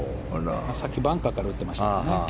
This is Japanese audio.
さっきバンカーから打ってましたね。